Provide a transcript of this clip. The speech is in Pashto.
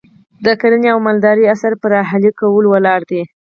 د کرنې او مالدارۍ عصر پر اهلي کولو ولاړ دی.